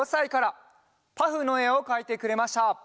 「パフ」のえをかいてくれました。